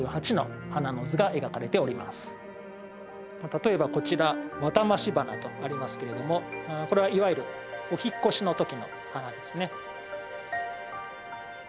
例えばこちら「ワタマシ花」とありますけれどもこれはいわゆるお引っ越しの時の花ですね。